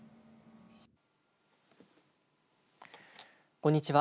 こんにちは。